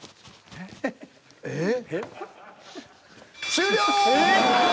終了！